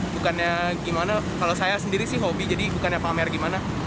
bukannya gimana kalau saya sendiri sih hobi jadi bukannya pamer gimana